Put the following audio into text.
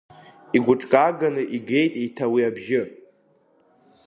Игәыҿкааганы игеит еиҭа уи абжьы.